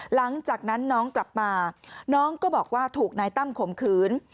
หลังจากนั้นน้องกลับมาน้องก็บอกว่าถูกนายตั้มข่มขืน